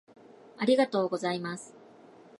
ありがとうございます